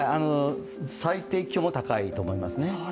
最低気温も高いと思いますね。